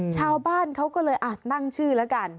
ชาวบ้านเขาก็เลยตั้งชื่อแล้วกัน